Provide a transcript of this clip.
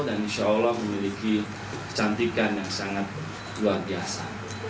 dan insya allah memiliki kecantikan yang sangat luar biasa